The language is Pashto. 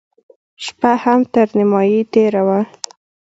شپه هم تر نيمايي تېره وه.